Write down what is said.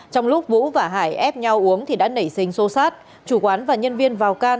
trong lúc vũ và hải ép nhau uống thì đã nảy sinh xô xát chủ quán và nhân viên vào can